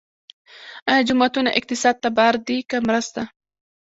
آیا جوماتونه اقتصاد ته بار دي که مرسته؟